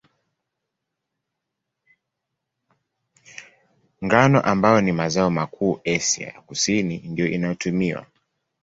Ngano, ambayo ni mazao makuu Asia ya Kusini, ndiyo inayotumiwa.